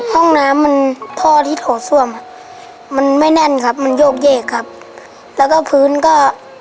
ห้องน้ำมันท่อที่โถส้วมมันไม่แน่นครับมันโยกเยกครับแล้วก็พื้นก็